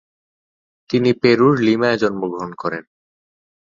তিনি পেরুর লিমায় জন্মগ্রহণ করেন।